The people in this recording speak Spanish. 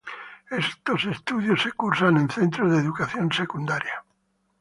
Estos estudios se cursan en Centros de Educación Secundaria.